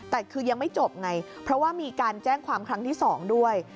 แต่คือยังไม่จบไงเพราะว่ามีการแจ้งความครั้งที่๒ด้วย